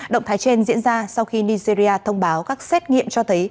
động thái trên diễn ra sau khi nigeria thông báo các xét nghiệm cho thấy